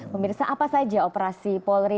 pemirsa apa saja operasi polri